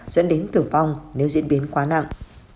dẫn đến tử vong nếu diễn biến quá nặng